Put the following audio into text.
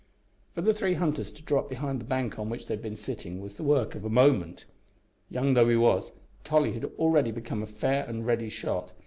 For the three hunters to drop behind the bank on which they had been sitting was the work of a moment. Young though he was, Tolly had already become a fair and ready shot.